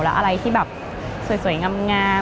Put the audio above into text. แล้วอะไรที่แบบสวยงาม